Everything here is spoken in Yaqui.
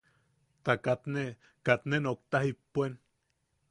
Ta katne, katne nookta jippuen.